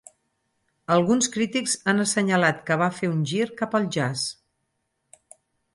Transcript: Alguns crítics han assenyalat que va fer un gir cap al jazz.